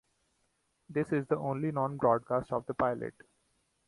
This is the only known broadcast of the pilot.